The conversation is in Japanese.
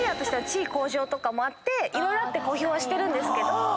色々あって公表はしてるんですけど。